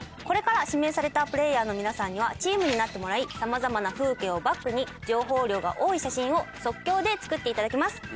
これから指名されたプレーヤーの皆さんにはチームになってもらい様々な風景をバックに情報量が多い写真を即興で作って頂きます。